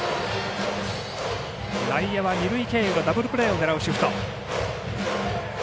内野は二塁経由のダブルプレーを狙うシフト。